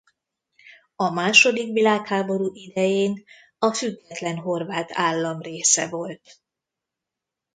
A második világháború idején a Független Horvát Állam része volt.